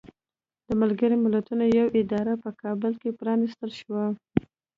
د ملګرو ملتونو یوه اداره په کابل کې پرانستل شوه.